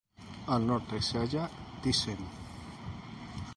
Al norte se halla Thiessen.